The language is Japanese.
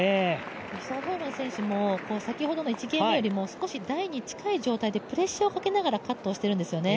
ソ・ヒョウォン選手も先ほどの１ゲーム目よりも少し台に近い状態でプレッシャーをかけながらカットしているんですよね。